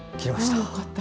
あよかった。